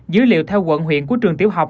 dữ liệu theo quận huyện của trường tiểu học